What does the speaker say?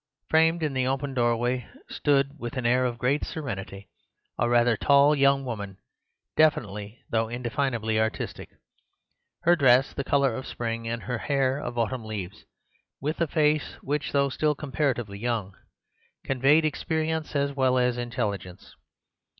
"Framed in the open doorway stood, with an air of great serenity, a rather tall young woman, definitely though indefinably artistic— her dress the colour of spring and her hair of autumn leaves, with a face which, though still comparatively young, conveyed experience as well as intelligence.